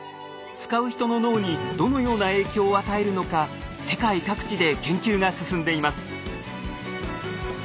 使う人の脳にどのような影響を与えるのか世界各地で研究が進んでいます。